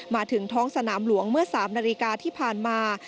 มาถึงท้องสนามหลวงเมื่อ๓นาฬิกาที่ผ่านมา